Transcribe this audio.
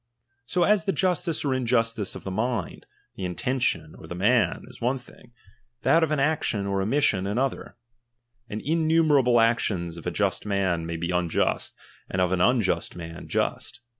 So as the justice or in justice of the mind, the intention, or the man, is one thing, that of an action or omission another ; BJid ianumerable actions of a just man may be un just, and of an unjust man, just.